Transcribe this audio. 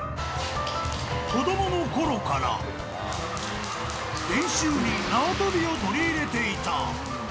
子どものころから、練習に縄跳びを取り入れていた。